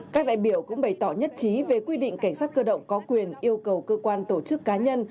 các đại biểu cũng bày tỏ nhất trí về quy định cảnh sát cơ động có quyền yêu cầu cơ quan tổ chức cá nhân